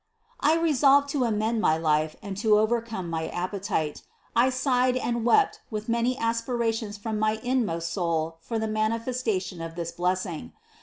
I resolved to amend my life and to overcome my appetite; I sighed and wept with many aspirations from my inmost soul for the manifestation of this blessing.